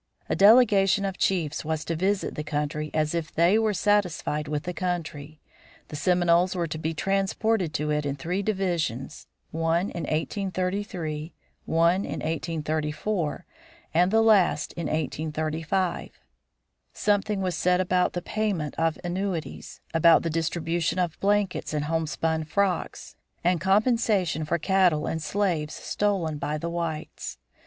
A delegation of chiefs was to visit the country and if "they" were satisfied with the country, the Seminoles were to be transported to it in three divisions, one in 1833, one in 1834, and the last in 1835. Something was said about the payment of annuities, about the distribution of blankets and homespun frocks, and compensation for cattle and slaves stolen by the whites.